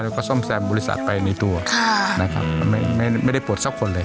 พนักงานก็ซ่อมแซมบริษัทไปในตัวไม่ได้ปลดสักคนเลย